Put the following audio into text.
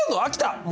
もう。